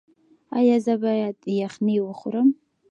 ایا زه باید یخني وخورم؟